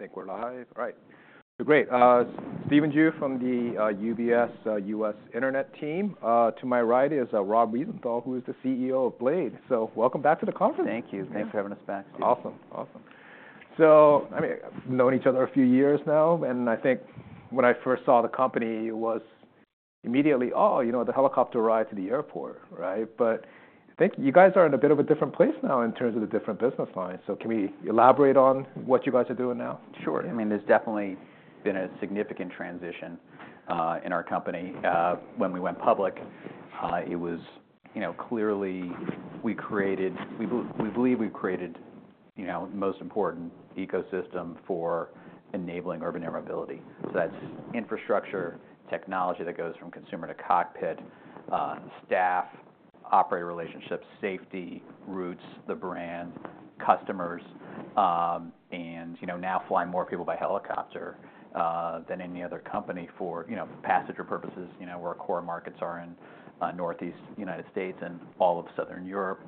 All right. I think we're live. All right. So great. Stephen Ju from the UBS US Internet team. To my right is Rob Wiesenthal, who is the CEO of Blade. So welcome back to the conference. Thank you. Thanks for having us back, Steve. Awesome. Awesome. So I mean, we've known each other a few years now. And I think when I first saw the company, it was immediately, oh, you know, the helicopter ride to the airport, right? But I think you guys are in a bit of a different place now in terms of the different business lines. So can we elaborate on what you guys are doing now? Sure. I mean, there's definitely been a significant transition in our company. When we went public, it was clearly we created, we believe we've created the most important ecosystem for enabling urban air mobility. So that's infrastructure, technology that goes from consumer to cockpit, staff, operator relationships, safety, routes, the brand, customers. And now flying more people by helicopter than any other company for passenger purposes, where our core markets are in Northeast United States and all of Southern Europe.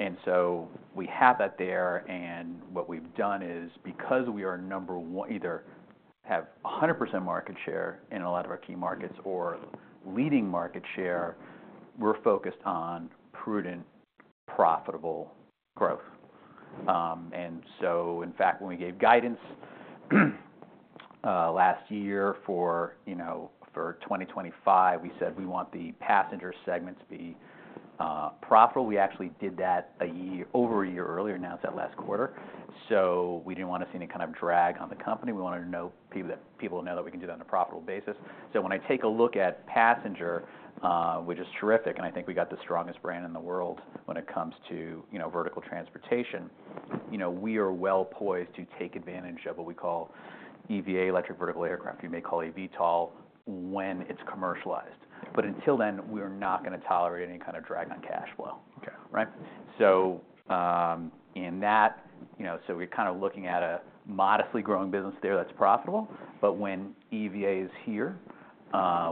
And so we have that there. And what we've done is, because we are number one, either have 100% market share in a lot of our key markets or leading market share, we're focused on prudent, profitable growth. And so, in fact, when we gave guidance last year for 2025, we said we want the passenger segment to be profitable. We actually did that over a year earlier. Now it's that last quarter. So we didn't want to see any kind of drag on the company. We wanted to know that people know that we can do that on a profitable basis. So when I take a look at passenger, which is terrific, and I think we got the strongest brand in the world when it comes to vertical transportation, we are well poised to take advantage of what we call EVA, Electric Vertical Aircraft, or you may call it eVTOL, when it's commercialized. But until then, we are not going to tolerate any kind of drag on cash flow. Right? So in that, so we're kind of looking at a modestly growing business there that's profitable. But when EVA is here,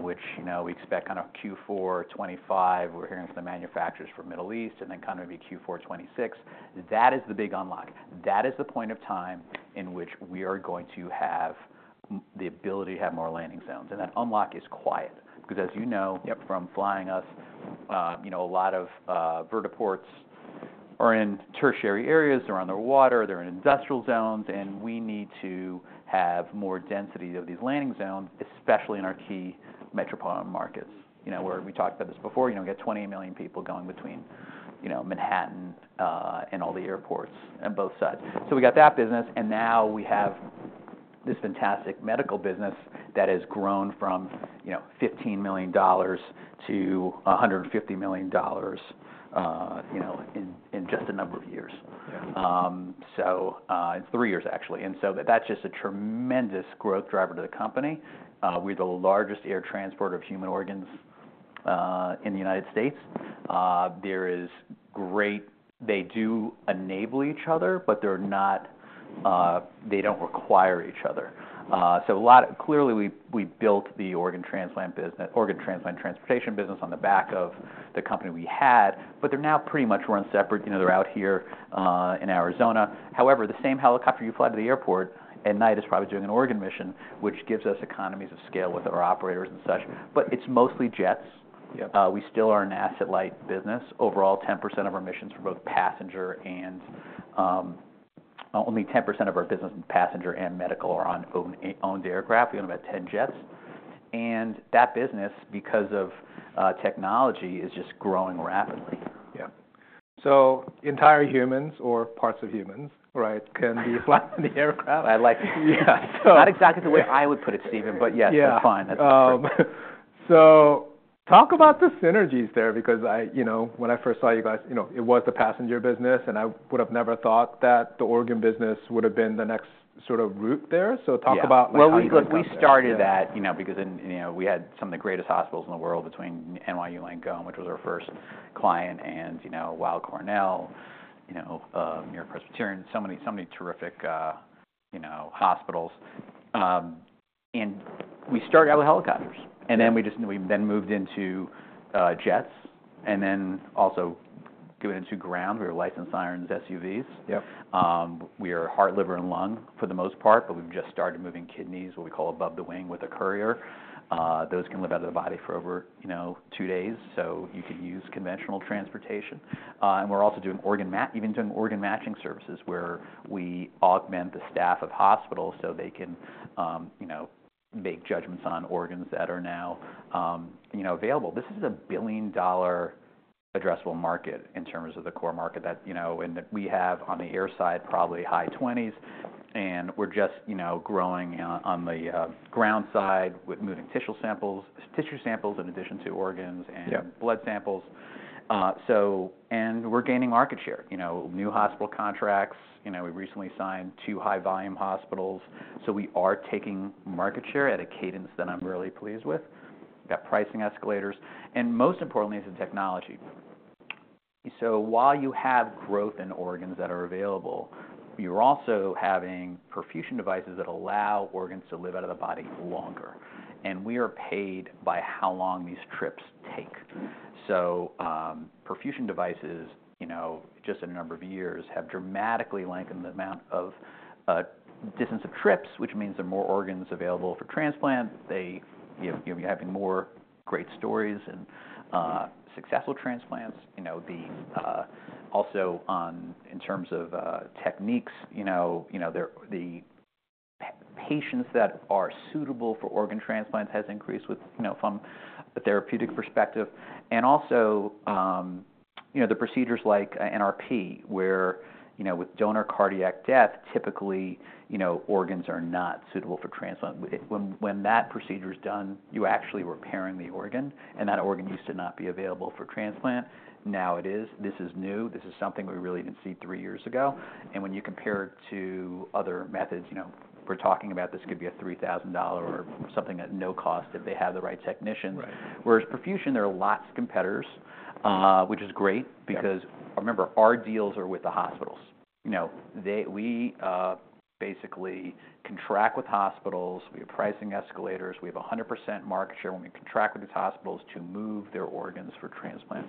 which we expect kind of Q4 2025, we're hearing from the manufacturers for Middle East, and then kind of maybe Q4 2026, that is the big unlock. That is the point of time in which we are going to have the ability to have more landing zones. And that unlock is quiet. Because, as you know, from flying us, a lot of vertiports are in tertiary areas. They're underwater. They're in industrial zones. And we need to have more density of these landing zones, especially in our key metropolitan markets, where we talked about this before. We got 28 million people going between Manhattan and all the airports on both sides. So we got that business. And now we have this fantastic medical business that has grown from $15 million to $150 million in just a number of years. So it's three years, actually. And so that's just a tremendous growth driver to the company. We're the largest air transporter of human organs in the United States. There's great synergy. They do enable each other, but they don't require each other, so clearly, we built the organ transplant transportation business on the back of the company we had. But they're now pretty much run separate. They're out here in Arizona. However, the same helicopter you fly to the airport at night is probably doing an organ mission, which gives us economies of scale with our operators and such. But it's mostly jets. We still are an asset-light business. Overall, 10% of our missions for both passenger and only 10% of our business in passenger and medical are on owned aircraft. We own about 10 jets, and that business, because of technology, is just growing rapidly. Yeah. So entire humans or parts of humans, right, can be flying the aircraft. I like it. Yeah. So. Not exactly the way I would put it, Stephen, but yes, that's fine. Yeah. So talk about the synergies there. Because when I first saw you guys, it was the passenger business. And I would have never thought that the organ business would have been the next sort of route there. So talk about. We started that because we had some of the greatest hospitals in the world between NYU Langone, which was our first client, and Weill Cornell, NewYork-Presbyterian, so many terrific hospitals. We started out with helicopters. Then we moved into jets. Then also doing it to ground. We were lights and sirens, SUVs. We are heart, liver, and lung for the most part. But we've just started moving kidneys, what we call above the wing with a courier. Those can live out of the body for over two days. So you can use conventional transportation. We're also even doing organ matching services where we augment the staff of hospitals so they can make judgments on organs that are now available. This is a billion-dollar addressable market in terms of the core market that we have on the air side, probably high 20s. And we're just growing on the ground side with moving tissue samples in addition to organs and blood samples, and we're gaining market share. New hospital contracts. We recently signed two high-volume hospitals, so we are taking market share at a cadence that I'm really pleased with. We've got pricing escalators, and most importantly, it's the technology, so while you have growth in organs that are available, you're also having perfusion devices that allow organs to live out of the body longer, and we are paid by how long these trips take, so perfusion devices, just in a number of years, have dramatically lengthened the amount of distance of trips, which means there are more organs available for transplant. You're having more great stories and successful transplants. Also, in terms of techniques, the patients that are suitable for organ transplants have increased from a therapeutic perspective. Also, the procedures like NRP, where, with donor cardiac death, typically, organs are not suitable for transplant. When that procedure is done, you actually are repairing the organ. That organ used to not be available for transplant. Now it is. This is new. This is something we really didn't see three years ago. When you compare it to other methods, we're talking about. This could be a $3,000 or something at no cost if they have the right technicians. Whereas, perfusion, there are lots of competitors, which is great. Because remember, our deals are with the hospitals. We basically contract with hospitals. We have pricing escalators. We have 100% market share when we contract with these hospitals to move their organs for transplant.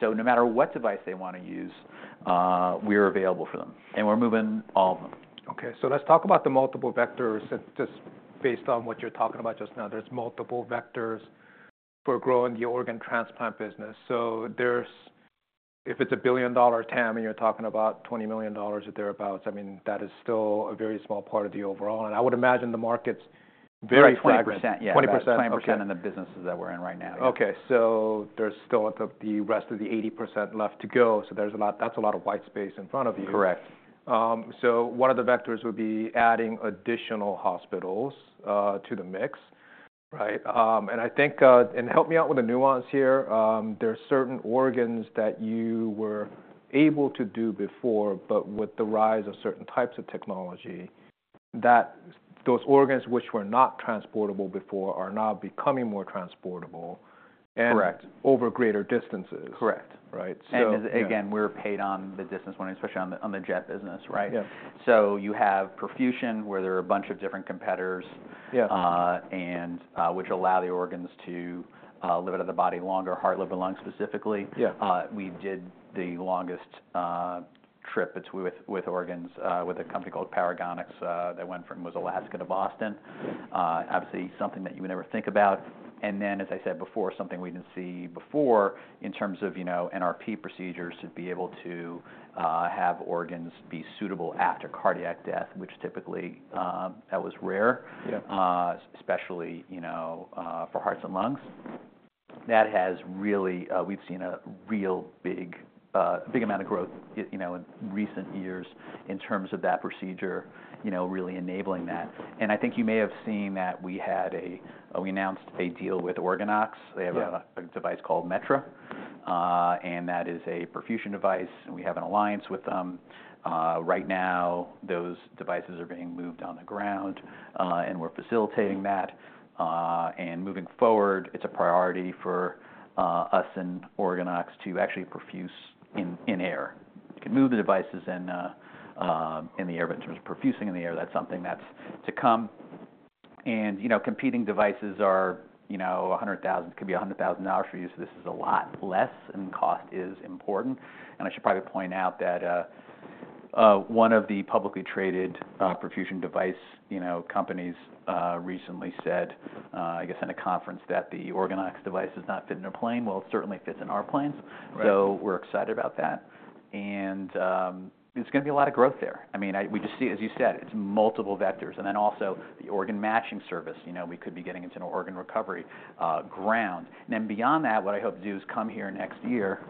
No matter what device they want to use, we are available for them. We're moving all of them. Okay. So let's talk about the multiple vectors. Just based on what you're talking about just now, there's multiple vectors for growing the organ transplant business. So if it's a billion-dollar TAM and you're talking about $20 million thereabouts, I mean, that is still a very small part of the overall. And I would imagine the market's very fragmented. Yeah, 20%. Yeah, 20%. 20%. 20% in the businesses that we're in right now. Okay. So there's still the rest of the 80% left to go. So that's a lot of white space in front of you. Correct. So one of the vectors would be adding additional hospitals to the mix, right? And help me out with a nuance here. There are certain organs that you were able to do before, but with the rise of certain types of technology, those organs which were not transportable before are now becoming more transportable over greater distances. Correct. Right? So. Again, we're paid on the distance, especially on the jet business, right? You have perfusion, where there are a bunch of different competitors, which allow the organs to live out of the body longer, heart, liver, lung specifically. We did the longest trip with organs with a company called Paragonix that went from Alaska to Boston. Obviously, something that you would never think about. Then, as I said before, something we didn't see before in terms of NRP procedures to be able to have organs be suitable after cardiac death, which typically that was rare, especially for hearts and lungs. That has really we've seen a real big amount of growth in recent years in terms of that procedure really enabling that. I think you may have seen that we announced a deal with OrganOx. They have a device called Metra. And that is a perfusion device. And we have an alliance with them. Right now, those devices are being moved on the ground. And we're facilitating that. And moving forward, it's a priority for us and OrganOx to actually perfuse in air. You can move the devices in the air. But in terms of perfusing in the air, that's something that's to come. And competing devices are $100,000. It could be $100,000 for you. So this is a lot less. And cost is important. And I should probably point out that one of the publicly traded perfusion device companies recently said, I guess, in a conference that the OrganOx device does not fit in their plane. Well, it certainly fits in our planes. So we're excited about that. And there's going to be a lot of growth there. I mean, as you said, it's multiple vectors. And then also the organ matching service. We could be getting into an organ recovery ground. And then beyond that, what I hope to do is come here next year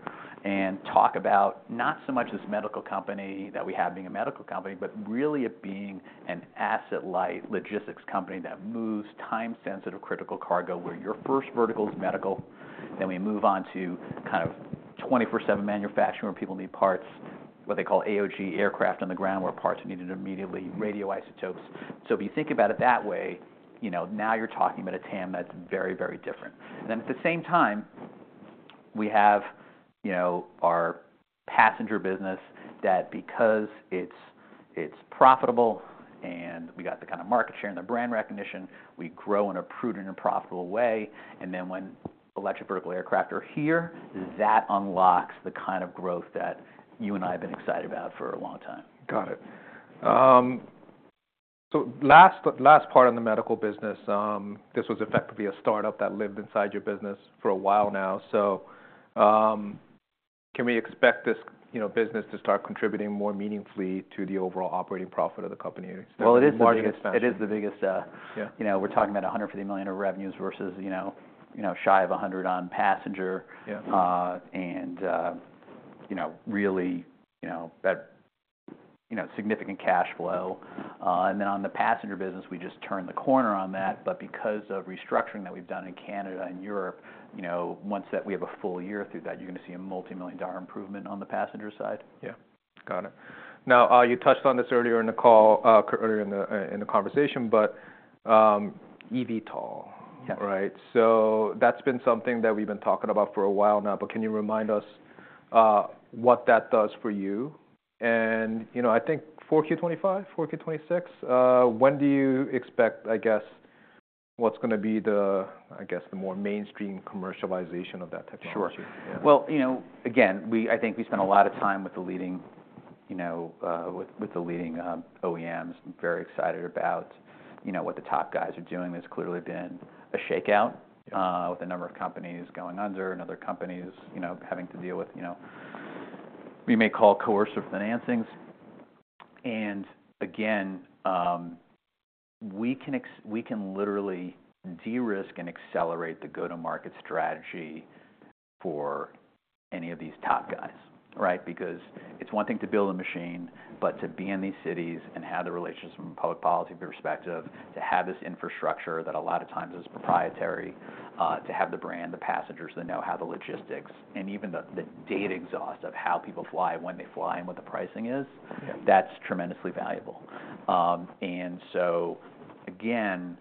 and talk about not so much this medical company that we have being a medical company, but really it being an asset-light logistics company that moves time-sensitive critical cargo, where your first vertical is medical. Then we move on to kind of 24/7 manufacturing where people need parts, what they call AOG, aircraft on the ground where parts are needed immediately, radioisotopes. So if you think about it that way, now you're talking about a TAM that's very, very different. And then at the same time, we have our passenger business, that because it's profitable and we got the kind of market share and the brand recognition, we grow in a prudent and profitable way. And then when electric vertical aircraft are here, that unlocks the kind of growth that you and I have been excited about for a long time. Got it. So last part on the medical business, this was effectively a startup that lived inside your business for a while now. So can we expect this business to start contributing more meaningfully to the overall operating profit of the company? It is the biggest. It is the biggest. We're talking about $150 million in revenues versus shy of $100 million on passenger and really significant cash flow. Then on the passenger business, we just turned the corner on that. Because of restructuring that we've done in Canada and Europe, once that we have a full year through that, you're going to see a multi-million-dollar improvement on the passenger side. Yeah. Got it. Now, you touched on this earlier in the call, earlier in the conversation, but eVTOL, right? So that's been something that we've been talking about for a while now. But can you remind us what that does for you? And I think 4Q25, 4Q26, when do you expect, I guess, what's going to be the, I guess, the more mainstream commercialization of that technology? Sure. Well, again, I think we spent a lot of time with the leading OEMs, very excited about what the top guys are doing. There's clearly been a shakeout with a number of companies going under and other companies having to deal with what you may call coercive financings. And again, we can literally de-risk and accelerate the go-to-market strategy for any of these top guys, right? Because it's one thing to build a machine, but to be in these cities and have the relationships from a public policy perspective, to have this infrastructure that a lot of times is proprietary, to have the brand, the passengers, the know-how, the logistics, and even the data exhaust of how people fly, when they fly, and what the pricing is, that's tremendously valuable. And so again,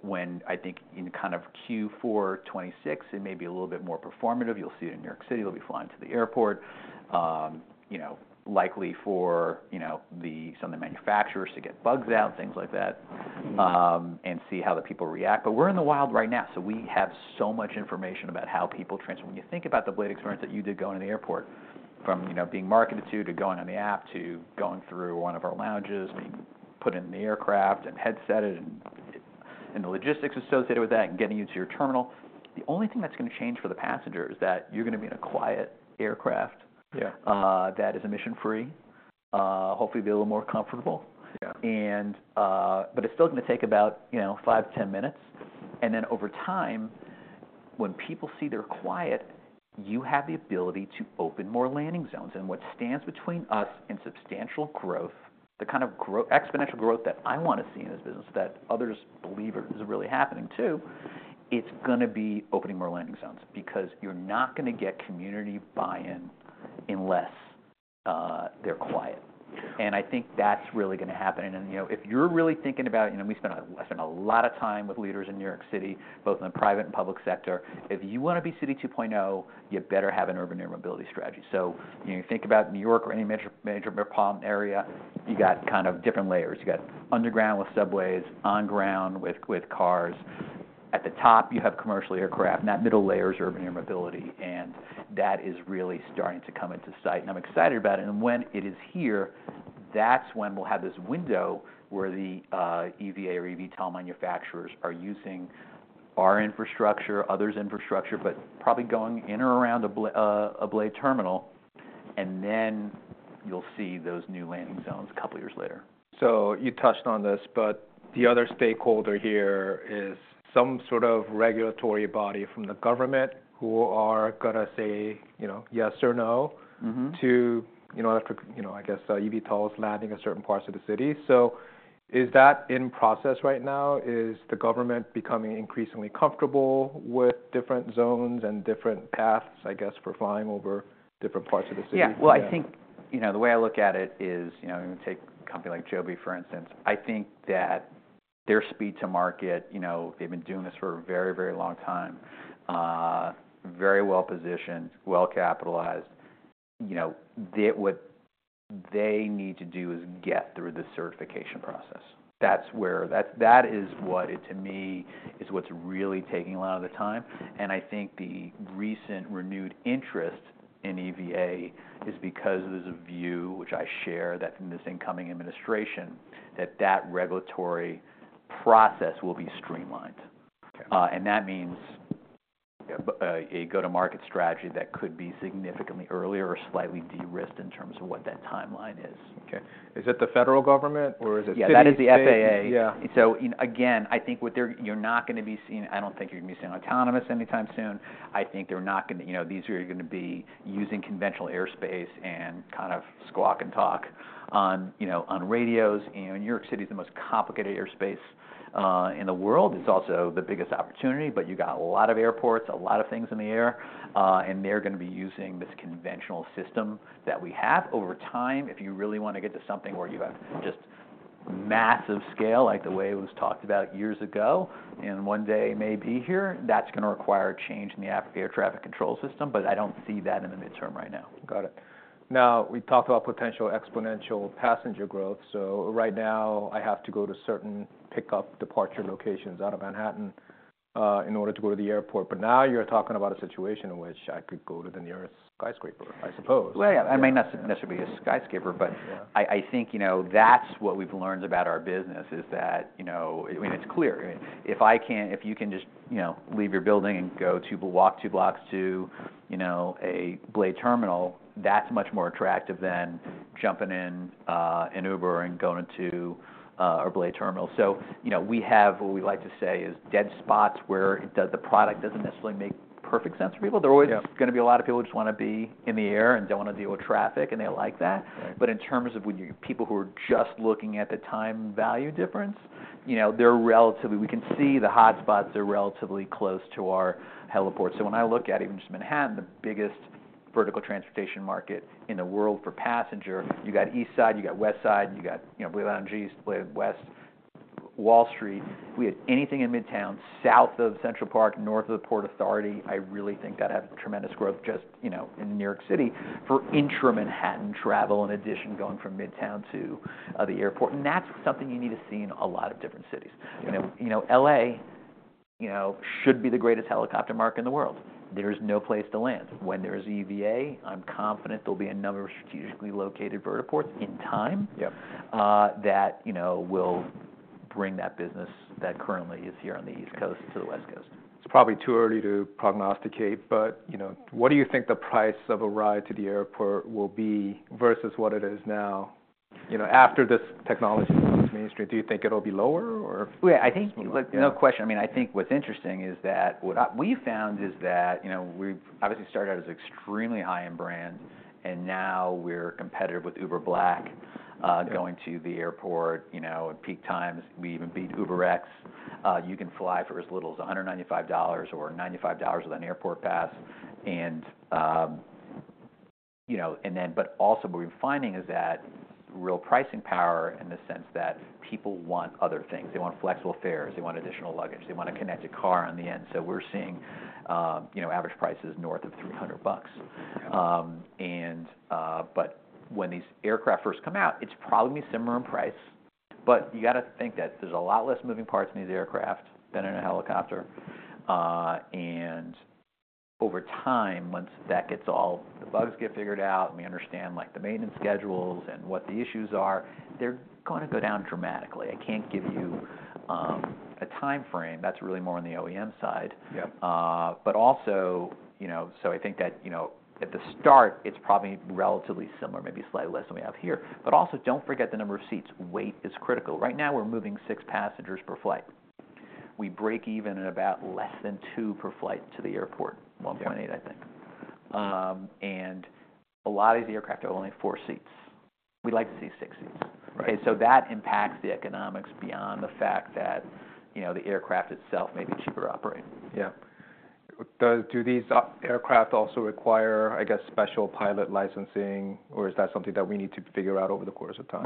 when I think in kind of Q4 2026, it may be a little bit more performative. You'll see it in New York City. They'll be flying to the airport, likely for some of the manufacturers to get bugs out, things like that, and see how the people react. But we're in the wild right now. So we have so much information about how people transfer. When you think about the Blade experience that you did going to the airport, from being marketed to, to going on the app, to going through one of our lounges, being put in the aircraft and headsetted and the logistics associated with that and getting you to your terminal, the only thing that's going to change for the passenger is that you're going to be in a quiet aircraft that is emission-free, hopefully be a little more comfortable. But it's still going to take about five to 10 minutes. And then over time, when people see they're quiet, you have the ability to open more landing zones. And what stands between us and substantial growth, the kind of exponential growth that I want to see in this business that others believe is really happening too, it's going to be opening more landing zones. Because you're not going to get community buy-in unless they're quiet. And I think that's really going to happen. And if you're really thinking about it, we spent a lot of time with leaders in New York City, both in the private and public sector. If you want to be City 2.0, you better have an urban air mobility strategy. So you think about New York or any major metropolitan area, you got kind of different layers. You got underground with subways, on-ground with cars. At the top, you have commercial aircraft. And that middle layer is urban air mobility. And that is really starting to come into sight. And I'm excited about it. And when it is here, that's when we'll have this window where the EVA or eVTOL manufacturers are using our infrastructure, others' infrastructure, but probably going in or around a Blade terminal. And then you'll see those new landing zones a couple of years later. So you touched on this. But the other stakeholder here is some sort of regulatory body from the government who are going to say yes or no to, I guess, eVTOLs landing in certain parts of the city. So is that in process right now? Is the government becoming increasingly comfortable with different zones and different paths, I guess, for flying over different parts of the city? Yeah. Well, I think the way I look at it is I'm going to take a company like Joby, for instance. I think that their speed to market, they've been doing this for a very, very long time, very well-positioned, well-capitalized. What they need to do is get through the certification process. That is what, to me, is what's really taking a lot of the time. And I think the recent renewed interest in EVA is because there's a view, which I share that in this incoming administration, that that regulatory process will be streamlined. And that means a go-to-market strategy that could be significantly earlier or slightly de-risked in terms of what that timeline is. Okay. Is it the federal government or is it EDC? Yeah, that is the FAA. So again, I don't think you're going to be seeing autonomous anytime soon. I think these are going to be using conventional airspace and kind of squawk and talk on radios. New York City is the most complicated airspace in the world. It's also the biggest opportunity, but you got a lot of airports, a lot of things in the air, and they're going to be using this conventional system that we have. Over time, if you really want to get to something where you have just massive scale like the way it was talked about years ago and one day may be here, that's going to require a change in the air traffic control system, but I don't see that in the midterm right now. Got it. Now, we talked about potential exponential passenger growth. So right now, I have to go to certain pickup departure locations out of Manhattan in order to go to the airport. But now you're talking about a situation in which I could go to the nearest skyscraper, I suppose. Well, yeah. I mean, not necessarily be a skyscraper. But I think that's what we've learned about our business is that, I mean, it's clear. If you can just leave your building and walk two blocks to a Blade terminal, that's much more attractive than jumping in an Uber and going to a Blade terminal. So we have what we like to say is dead spots where the product doesn't necessarily make perfect sense for people. There are always going to be a lot of people who just want to be in the air and don't want to deal with traffic. And they like that. But in terms of people who are just looking at the time value difference, we can see the hotspots are relatively close to our heliports. So when I look at even just Manhattan, the biggest vertical transportation market in the world for passenger, you got East Side, you got West Side, you got Blade East, Blade West, Wall Street. If we had anything in Midtown, south of Central Park, north of Port Authority, I really think that'd have tremendous growth just in New York City for intra-Manhattan travel in addition going from Midtown to the airport. And that's something you need to see in a lot of different cities. LA should be the greatest helicopter market in the world. There is no place to land. When there is EVA, I'm confident there'll be a number of strategically located vertiports in time that will bring that business that currently is here on the East Coast to the West Coast. It's probably too early to prognosticate. But what do you think the price of a ride to the airport will be versus what it is now? After this technology becomes mainstream, do you think it'll be lower or? I think no question. I mean, I think what's interesting is that what we found is that we obviously started out as extremely high-end brand, and now we're competitive with Uber Black going to the airport. In peak times, we even beat UberX. You can fly for as little as $195 or $95 with an airport pass, but also what we're finding is that real pricing power in the sense that people want other things. They want flexible fares. They want additional luggage. They want a connected car on the end, so we're seeing average prices north of 300 bucks, but when these aircraft first come out, it's probably going to be similar in price, but you got to think that there's a lot less moving parts in these aircraft than in a helicopter. Over time, once that gets all the bugs get figured out and we understand the maintenance schedules and what the issues are, they're going to go down dramatically. I can't give you a time frame. That's really more on the OEM side. But also, so I think that at the start, it's probably relatively similar, maybe slightly less than we have here. But also, don't forget the number of seats. Weight is critical. Right now, we're moving six passengers per flight. We break even at about less than two per flight to the airport, 1.8, I think. And a lot of these aircraft are only four seats. We'd like to see six seats. And so that impacts the economics beyond the fact that the aircraft itself may be cheaper to operate. Yeah. Do these aircraft also require, I guess, special pilot licensing? Or is that something that we need to figure out over the course of time?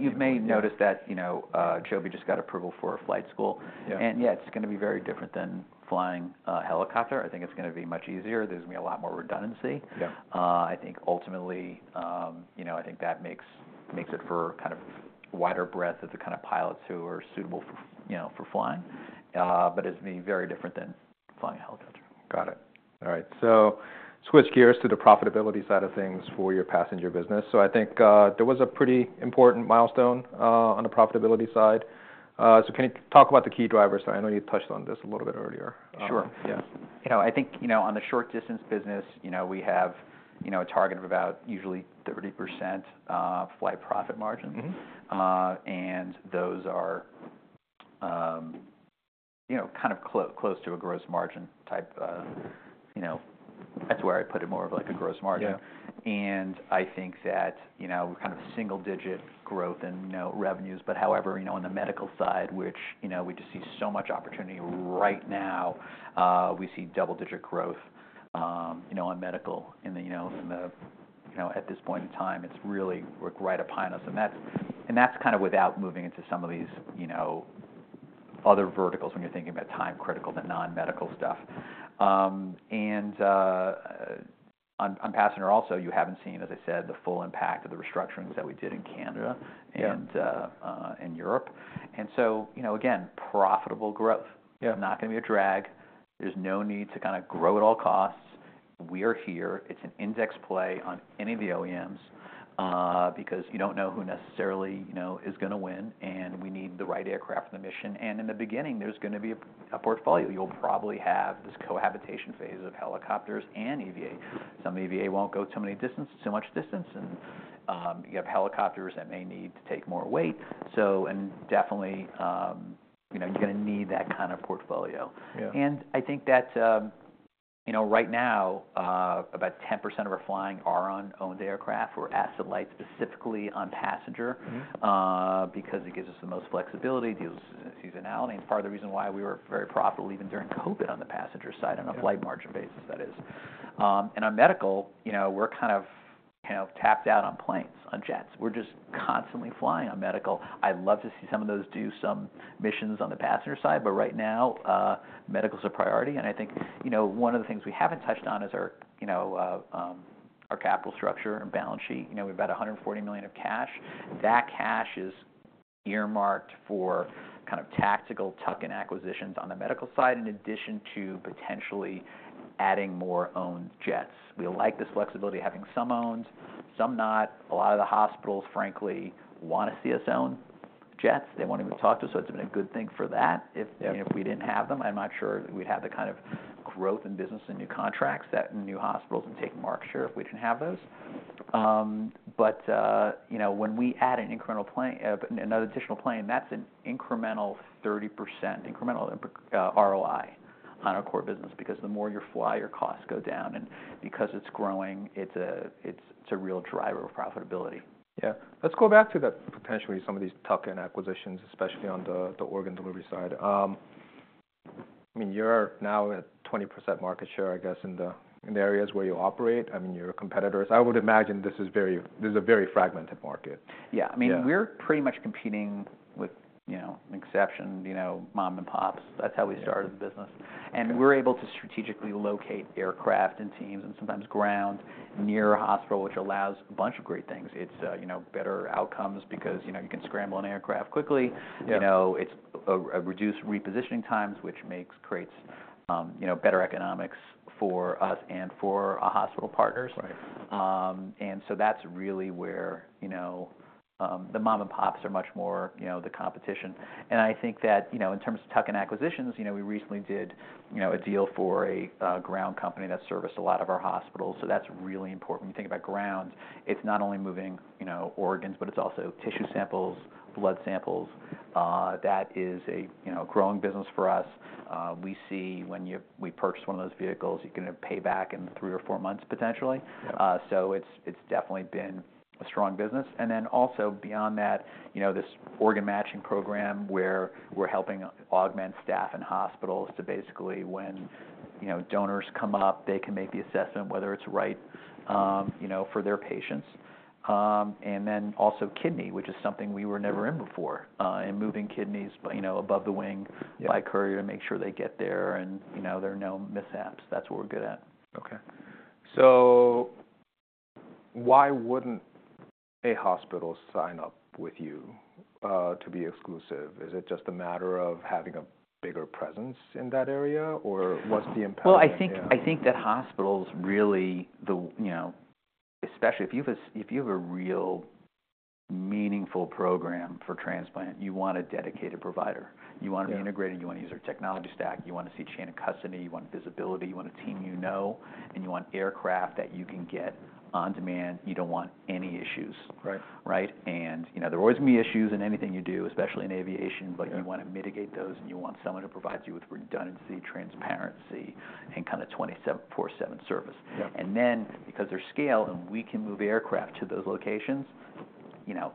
You may notice that Joby just got approval for a flight school. Yeah, it's going to be very different than flying a helicopter. I think it's going to be much easier. There's going to be a lot more redundancy. I think ultimately, I think that makes it for kind of wider breadth of the kind of pilots who are suitable for flying. It's going to be very different than flying a helicopter. Got it. All right. So switch gears to the profitability side of things for your passenger business. So I think there was a pretty important milestone on the profitability side. So can you talk about the key drivers? I know you touched on this a little bit earlier. Sure. Yeah. I think on the short-distance business, we have a target of about usually 30% flight profit margin. And those are kind of close to a gross margin type. That's where I put it, more of like a gross margin. And I think that kind of single-digit growth in revenues. But however, on the medical side, which we just see so much opportunity right now, we see double-digit growth on medical. And at this point in time, it's really right upon us. And that's kind of without moving into some of these other verticals when you're thinking about time critical, the non-medical stuff. And on passenger also, you haven't seen, as I said, the full impact of the restructurings that we did in Canada and in Europe. And so again, profitable growth. Not going to be a drag. There's no need to kind of grow at all costs. We are here. It's an index play on any of the OEMs because you don't know who necessarily is going to win, and we need the right aircraft for the mission. In the beginning, there's going to be a portfolio. You'll probably have this cohabitation phase of helicopters and EVA. Some EVA won't go too much distance, and you have helicopters that may need to take more weight, and definitely, you're going to need that kind of portfolio. I think that right now, about 10% of our flying are on owned aircraft or asset lights specifically on passenger because it gives us the most flexibility, deals with seasonality. Part of the reason why we were very profitable even during COVID on the passenger side, on a flight margin basis, that is. On medical, we're kind of tapped out on planes, on jets. We're just constantly flying on medical. I'd love to see some of those do some missions on the passenger side. But right now, medical is a priority. And I think one of the things we haven't touched on is our capital structure and balance sheet. We have about $140 million of cash. That cash is earmarked for kind of tactical tuck-in acquisitions on the medical side in addition to potentially adding more owned jets. We like this flexibility of having some owned, some not. A lot of the hospitals, frankly, want to see us own jets. They want to even talk to us. So it's been a good thing for that. If we didn't have them, I'm not sure we'd have the kind of growth in business and new contracts that new hospitals would take market share if we didn't have those. But when we add an additional plane, that's an incremental 30% incremental ROI on our core business. Because the more you fly, your costs go down. And because it's growing, it's a real driver of profitability. Yeah. Let's go back to potentially some of these tuck-in acquisitions, especially on the organ delivery side. I mean, you're now at 20% market share, I guess, in the areas where you operate. I mean, your competitors, I would imagine this is a very fragmented market. Yeah. I mean, we're pretty much competing with exception, mom and pops. That's how we started the business. And we're able to strategically locate aircraft and teams and sometimes ground near a hospital, which allows a bunch of great things. It's better outcomes because you can scramble an aircraft quickly. It's reduced repositioning times, which creates better economics for us and for our hospital partners. And so that's really where the mom and pops are much more the competition. And I think that in terms of tuck-in acquisitions, we recently did a deal for a ground company that serviced a lot of our hospitals. So that's really important. When you think about grounds, it's not only moving organs, but it's also tissue samples, blood samples. That is a growing business for us. We see when we purchase one of those vehicles, you can pay back in three or four months potentially. So it's definitely been a strong business. And then also beyond that, this organ matching program where we're helping augment staff and hospitals to basically, when donors come up, they can make the assessment whether it's right for their patients. And then also kidney, which is something we were never in before. And moving kidneys above the wing by courier to make sure they get there. And there are no mishaps. That's what we're good at. Okay, so why wouldn't a hospital sign up with you to be exclusive? Is it just a matter of having a bigger presence in that area? Or what's the impact? Well, I think that hospitals really, especially if you have a real meaningful program for transplant, you want a dedicated provider. You want to be integrated. You want to use our technology stack. You want to see chain of custody. You want visibility. You want a team you know. And you want aircraft that you can get on demand. You don't want any issues. Right? And there always can be issues in anything you do, especially in aviation. But you want to mitigate those. And you want someone who provides you with redundancy, transparency, and kind of 24/7 service. And then because of their scale and we can move aircraft to those locations,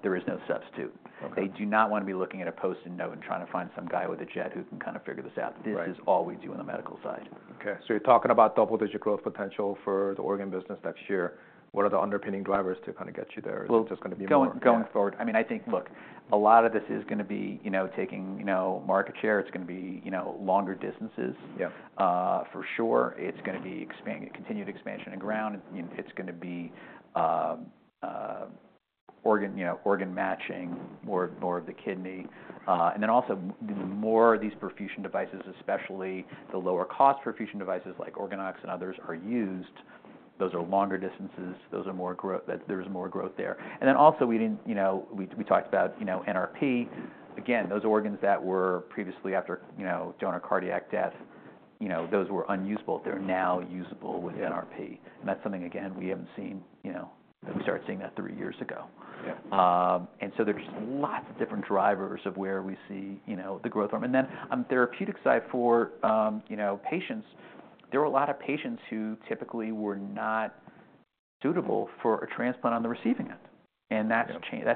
there is no substitute. They do not want to be looking at a Post-it note and trying to find some guy with a jet who can kind of figure this out. This is all we do on the medical side. Okay. So you're talking about double-digit growth potential for the organ business next year. What are the underpinning drivers to kind of get you there? Is it just going to be more? Going forward. I mean, I think, look, a lot of this is going to be taking market share. It's going to be longer distances, for sure. It's going to be continued expansion and ground. It's going to be organ matching, more of the kidney. And then also, the more these perfusion devices, especially the lower-cost perfusion devices like OrganOx and others are used, those are longer distances. There's more growth there. And then also, we talked about NRP. Again, those organs that were previously after donor cardiac death, those were unusable. They're now usable with NRP. And that's something, again, we haven't seen that we started seeing that three years ago. And so there's lots of different drivers of where we see the growth arm. And then on the therapeutic side for patients, there were a lot of patients who typically were not suitable for a transplant on the receiving end. And that's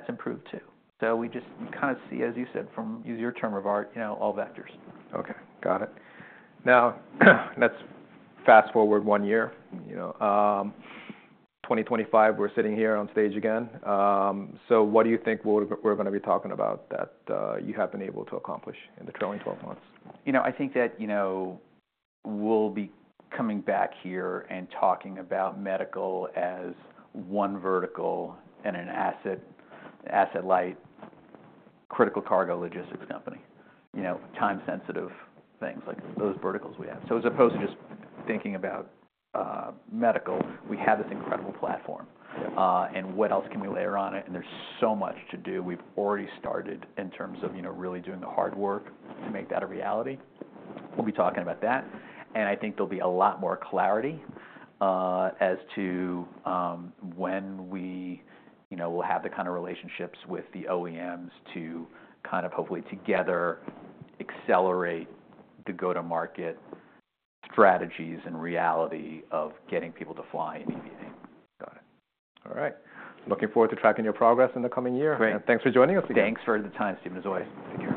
improved too. So we just kind of see, as you said, from use your term of art, all vectors. Okay. Got it. Now, let's fast forward one year. 2025, we're sitting here on stage again. So what do you think we're going to be talking about that you have been able to accomplish in the trailing 12 months? I think that we'll be coming back here and talking about medical as one vertical and an asset-light critical cargo logistics company, time-sensitive things like those verticals we have, so as opposed to just thinking about medical, we have this incredible platform, and what else can we layer on it, and there's so much to do. We've already started in terms of really doing the hard work to make that a reality, and we'll be talking about that, and I think there'll be a lot more clarity as to when we will have the kind of relationships with the OEMs to kind of hopefully together accelerate the go-to-market strategies and reality of getting people to fly immediately. Got it. All right. Looking forward to tracking your progress in the coming year. And thanks for joining us again. Thanks for the time, Stephen Ju. Take care.